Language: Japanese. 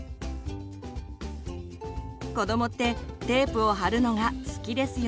子どもってテープを貼るのが好きですよね。